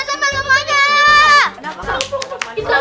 teman teman semua aja